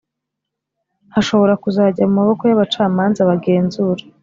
hashobora kuzajya mu maboko y’abacamanza bagenzura